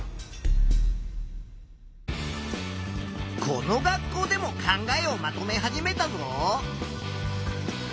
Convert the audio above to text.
この学校でも考えをまとめ始めたぞ。